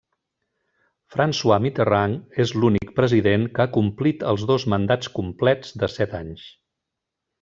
François Mitterrand és l'únic president que ha complit els dos mandats complets de set anys.